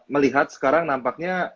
melihat sekarang nampaknya